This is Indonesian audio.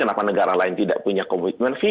kenapa negara lain tidak punya komitmen fee